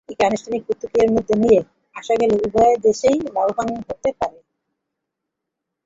একে আনুষ্ঠানিক প্রক্রিয়ার মধ্যে নিয়ে আসা গেলে উভয় দেশই লাভবান হতে পারে।